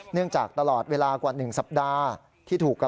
เนื่องจากตลอดเวลากว่า๑สัปดาห์